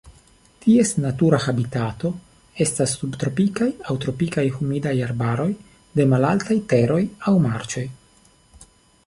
Ties natura habitato estas subtropikaj aŭ tropikaj humidaj arbaroj de malaltaj teroj aŭ marĉoj.